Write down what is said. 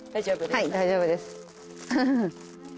はい大丈夫です。